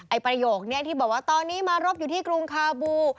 ประโยคนี้ที่บอกว่าตอนนี้มารบอยู่ที่กรุงคาบู